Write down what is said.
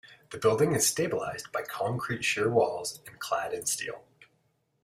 The building is stabilised by concrete shear walls and clad in steel.